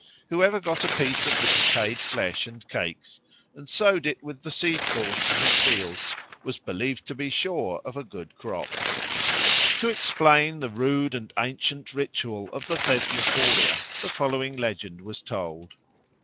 Whoever got a piece of the decayed flesh and cakes, and sowed it with the seed corn in his field, was believed to be sure of a good crop. To explain the rude and ancient ritual of the Thesmophoria the following legend was told.